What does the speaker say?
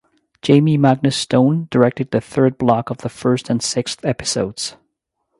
Jamie Magnus Stone directed the third block of the first and sixth episodes.